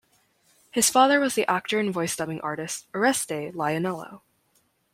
His father was the actor and voice dubbing artist Oreste Lionello.